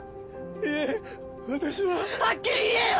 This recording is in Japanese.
いえ私ははっきり言えよ！